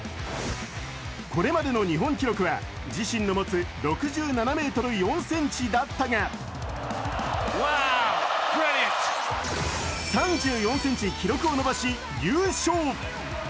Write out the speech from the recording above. これまでの日本記録は自身が持つ６７ｍ４ｃｍだったが３４ｃｍ記録を伸ばし、優勝。